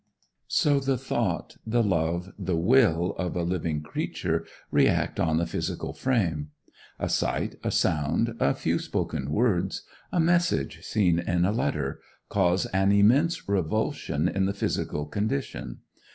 So the thought, the love, the will of a living creature react on the physical frame. A sight, a sound, a few spoken words, a message seen in a letter, cause an immense revulsion in the physical condition.